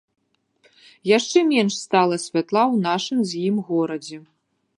Яшчэ менш стала святла ў нашым з ім горадзе.